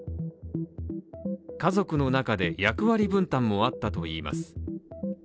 家族の中で役割分担もあったといいます。